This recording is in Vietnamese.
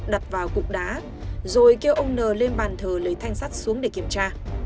đặt vào cục đá rồi kêu ông n lên bàn thờ lấy thanh sắt xuống để kiểm tra